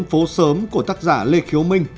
phố sớm của tác giả lê khiếu minh